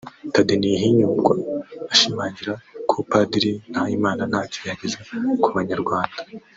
Thadee Ntihinyurwa ashimangira ko Padiri Nahimana ntacyo yageza ku Banyarwanda